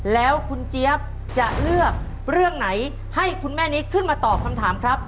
แล้วคุณเจี๊ยบจะเลือกเรื่องไหนให้คุณแม่นิดขึ้นมาตอบคำถามครับ